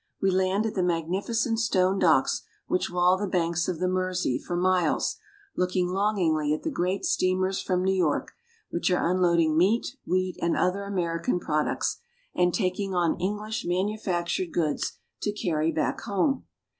We land at the magnificent stone docks which wall the banks of the Mersey for miles, look ing longingly at the great steamers from New York, which are unloading meat, wheat, and other American products, and taking on English manufactured goods to carry back home.